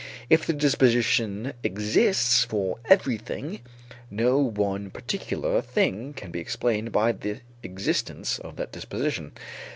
If the disposition exists for everything, no one particular thing can be explained by the existence of that disposition.